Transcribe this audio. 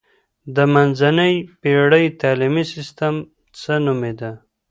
د منځنۍ پېړۍ تعلیمي سیستم څه نومیده؟